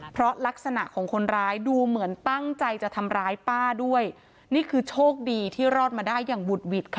เพราะลักษณะของคนร้ายดูเหมือนตั้งใจจะทำร้ายป้าด้วยนี่คือโชคดีที่รอดมาได้อย่างบุดหวิดค่ะ